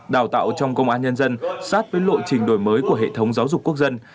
đào tạo trong công an nhân dân sát với lộ trình đổi mới của hệ thống giáo dục quốc dân